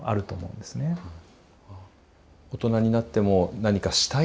大人になっても何かしたい？